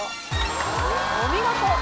お見事！